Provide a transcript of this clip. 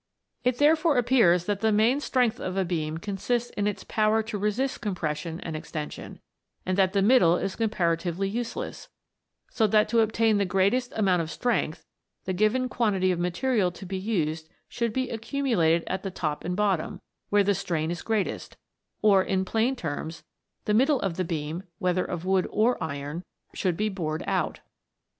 It therefore appears that the main strength of a beam consists in its power to resist compression and extension, and that the middle is comparatively useless, so that to obtain the greatest amount of strength, the given quantity of material to be used should be accumulated at the top and bottom, where the strain is greatest ; or, in plain terms, the middle of the beam, whether of wood or iron, should be bored out.